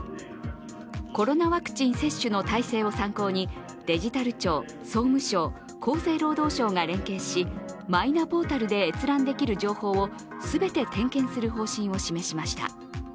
コロナワクチン接種の体制を参考にデジタル庁、総務省、厚生労働省が連携し、マイナポータルで閲覧できる情報を全て点検する方針を示しました。